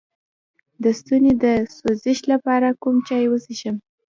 د ستوني د سوزش لپاره کوم چای وڅښم؟